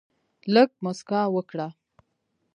لږ مسکا وکړه.